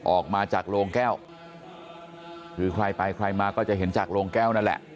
ออกมาจากโรงแก้วคือใครไปใครมาก็จะเห็นจากโรงแก้วนั่นแหละ